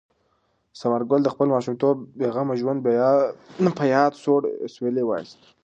ثمر ګل د خپل ماشومتوب د بې غمه ژوند په یاد سوړ اسویلی وایست.